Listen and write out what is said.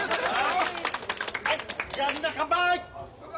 はいじゃあみんな乾杯！